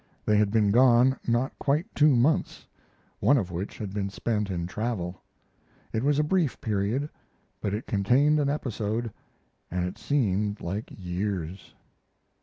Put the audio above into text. They had been gone not quite two months, one of which had been spent in travel. It was a brief period, but it contained an episode, and it seemed like years.